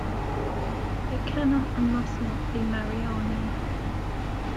It cannot and must not be Mariani.